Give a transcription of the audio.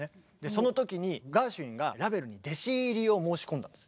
その時にガーシュウィンがラヴェルに弟子入りを申し込んだんです。